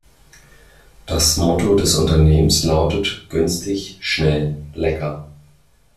Das Motto des Unternehmens lautet „günstig, schnell, lecker“.